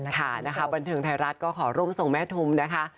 ค่ะนะคะบันเทิงไทยรัฐก็ขอร่วมส่งแม่ทุมนะคะ